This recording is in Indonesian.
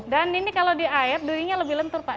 ini kalau di air durinya lebih lentur pak